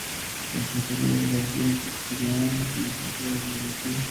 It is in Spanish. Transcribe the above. Edita: Consejería de Relaciones Institucionales de la Junta de Andalucía.